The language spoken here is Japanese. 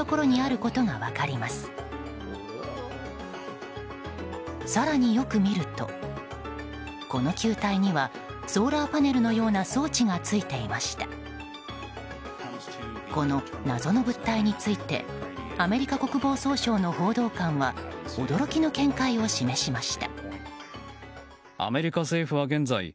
この謎の物体についてアメリカ国防総省の報道官は驚きの見解を示しました。